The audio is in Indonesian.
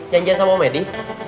janjian sama om edi